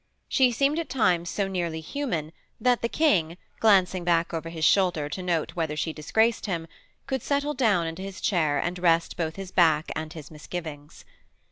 She seemed at times so nearly human that the King, glancing back over his shoulder to note whether she disgraced him, could settle down into his chair and rest both his back and his misgivings.